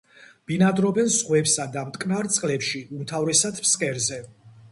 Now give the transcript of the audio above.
ბინადრობენ ზღვებსა და მტკნარ წყლებში, უმთავრესად ფსკერზე.